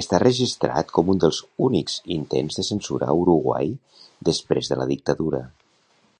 Està registrat com un dels únics intents de censura a Uruguai després de la dictadura.